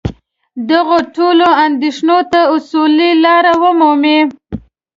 دغو ټولو اندېښنو ته اصولي لاره ومومي.